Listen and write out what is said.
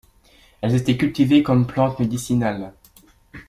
Elles étaient cultivées comme plante médicinale.